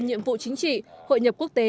nhiệm vụ chính trị hội nhập quốc tế